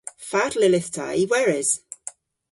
Fatel yllydh ta y weres?